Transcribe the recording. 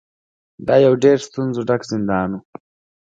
دا یو ډیر ستونزو ډک زندان و.